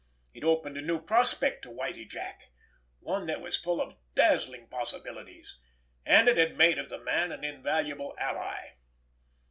It opened a new prospect to Whitie Jack, one that was full of dazzling possibilities—and it had made of the man an invaluable ally.